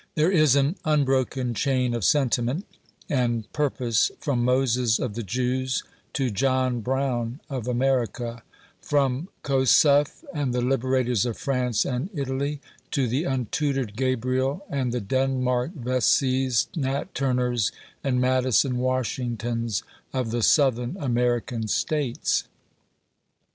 There is an unbroken chain of sentiment and purpose from Moses of the Jews to John Brown of America; from Kossuth, and the liberators of France and Italy, to the untutored Gabriel, and the Denmark Veseya, Nat Turners and Madison Washingtons of the Southern American States.